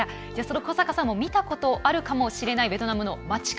古坂さんも見たことあるかもしれないベトナムの街角